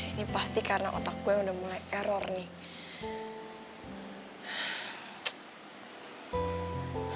ini pasti karena otak gue udah mulai error nih